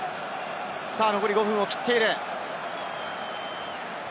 残り５分を切っている。